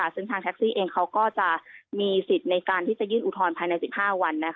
ซึ่งทางแท็กซี่เองเขาก็จะมีสิทธิ์ในการที่จะยื่นอุทธรณ์ภายใน๑๕วัน